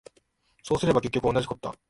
そうすれば結局おんなじこった